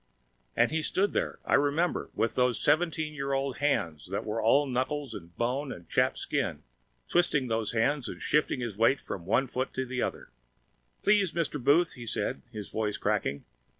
And he stood there, I remember, with those seventeen year old hands that were all knuckles and bone and chapped skin, twisting those hands and shifting his weight from one foot to the other. "Please, Mr. Booth," he said, his voice cracking.